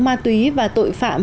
ma túy và tội phạm